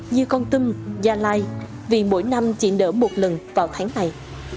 như con tâm gia lai vì mỗi năm chỉ nở một lần vào tháng này